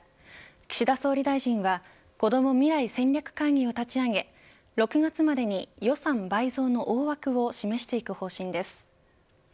岸田総理大臣はこども未来戦略会議を立ち上げ６月までに予算倍増の大枠を示していく方針です。